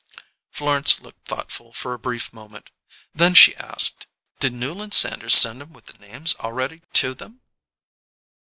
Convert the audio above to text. Florence looked thoughtful for a brief moment; then she asked: "Did Newland Sanders send 'em with the names already to them?"